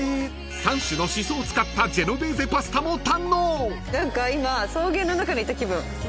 ［３種のシソを使ったジェノベーゼパスタも堪能］